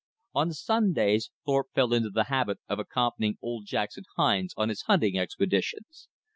On Sundays Thorpe fell into the habit of accompanying old Jackson Hines on his hunting expeditions.